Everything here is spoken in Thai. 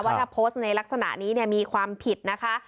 ถ้าโพสต์ในลักษณะนี้เนี่ยมีความผิดนะคะ